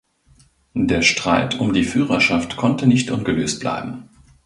Der Streit um die Führerschaft konnte nicht ungelöst bleiben.